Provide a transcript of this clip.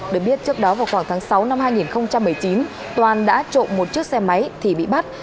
được biết trước đó vào khoảng tháng sáu năm hai nghìn một mươi chín toàn đã trộm một chiếc xe máy thì bị bắt